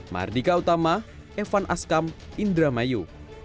mardika utama evan askam indramayu